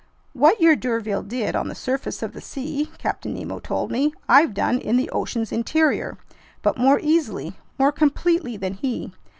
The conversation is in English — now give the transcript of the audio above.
"What your d'Urville did on the surface of the sea," Captain Nemo told me, "I've done in the ocean's interior, but more easily, more completely than he.